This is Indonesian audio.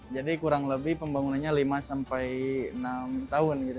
jadi kurang lebih pembangunannya lima sampai enam tahun